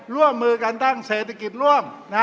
ร่วมมือกันตั้งเศรษฐกิจร่วม